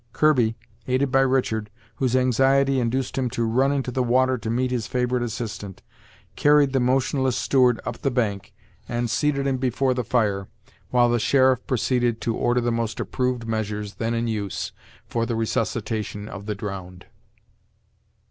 Kirby, aided by Richard, whose anxiety induced him to run into the water to meet his favorite assistant, carried the motionless steward up the bank, and seated him before the fire, while the sheriff proceeded to order the most approved measures then in use for the resuscitation of the drowned.